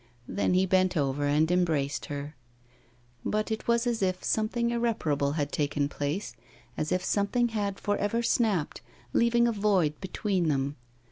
Then he bent over and embraced her. But it was as if something irreparable had taken place, as if something had for ever snapped, leaving a void between them.